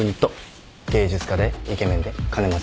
芸術家でイケメンで金持ちだし。